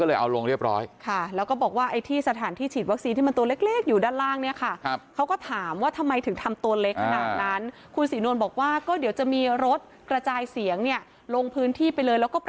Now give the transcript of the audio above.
โห้ยคนลงทะเบียนเยอะขึ้นเลย